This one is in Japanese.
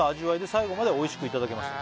「最後まで美味しくいただけました」